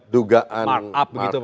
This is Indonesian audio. dugaan mark up begitu pak